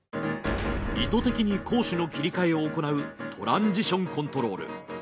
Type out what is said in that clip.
意図的に攻守の切り替えを行うトランジションコントロール。